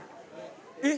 えっ？